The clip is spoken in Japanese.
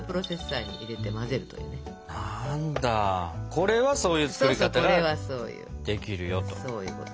これはそういう作り方ができるよと。